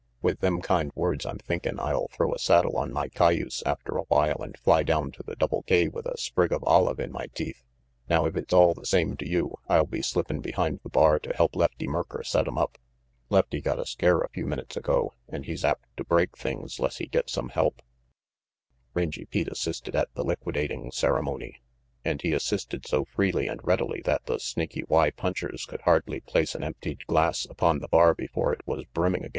"With them kind words I'm thinkin' I'll throw a saddle on my cayuse after a while and fly down to the Double K with a sprig of olive in my teeth. Now if it's all the same to you, I'll be slippin' behind the bar to help Lefty Merker set 'em up. Lefty got a scare a few minutes ago and he's apt to break things 'less he gets some help." Rangy Pete assisted at the liquidating ceremony, and he assisted so freely and readily that the Snaky Y punchers could hardly place an emptied glass upon the bar before it was brimming again.